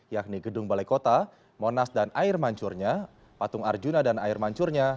yakni gedung balai kota monas dan air mancurnya patung arjuna dan air mancurnya